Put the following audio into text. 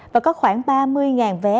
và có khoảng ba mươi vé